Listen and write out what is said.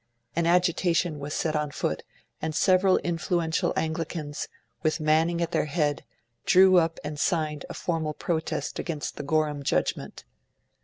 An agitation was set on foot, and several influential Anglicans, with Manning at their head, drew up and signed a formal protest against the Gorham judgment.